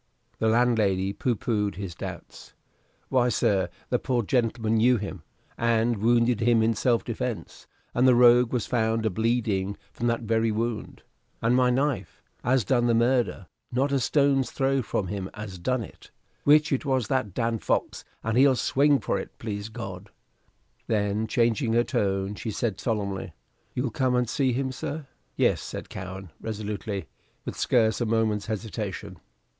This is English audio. The landlady pooh poohed his doubts. "Why, sir, the poor gentleman knew him, and wounded him in self defence, and the rogue was found a bleeding from that very wound, and my knife, as done the murder, not a stone's throw from him as done it, which it was that Dan Cox, and he'll swing for't, please God." Then, changing her tone, she said, solemnly, "You'll come and see him, sir?" "Yes," said Cowen, resolutely, with scarce a moment's hesitation.